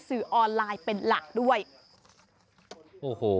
มีอย่างไรบ้างครับ